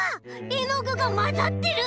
えのぐがまざってる！